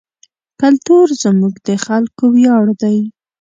کلتور زموږ د خلکو ویاړ دی.